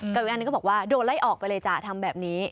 อีกอันนึงก็บอกว่าโดนไล่ออกไปเลยจ้ะทำแบบนี้